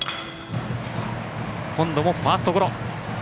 今度もファーストゴロ。